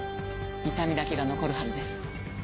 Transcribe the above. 痛みだけが残るはずです